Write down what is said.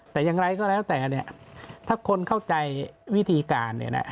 แต่อย่างไรก็แล้วแต่เนี่ยถ้าคนเข้าใจวิธีการเนี่ยนะ